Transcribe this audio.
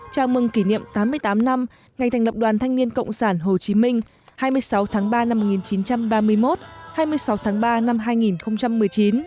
chào mừng kỷ niệm tám mươi tám năm ngày thành lập đoàn thanh niên cộng sản hồ chí minh hai mươi sáu tháng ba năm một nghìn chín trăm ba mươi một hai mươi sáu tháng ba năm hai nghìn một mươi chín